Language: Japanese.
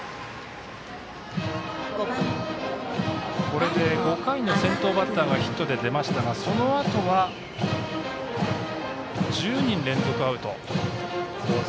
これで５回の先頭バッターがヒットで出ましたがそのあとは１０人連続アウト。